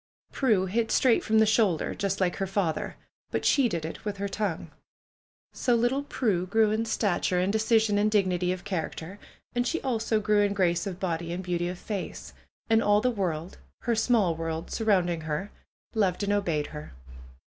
Prue hit straight from the shoulder, just like her father; but she did it with her tongue. So little Prue grew in stature, in decision and dig nity of character. And she also grew in grace of body and beauty of face. And all the world (her small world surrounding her), loved and obeyed her.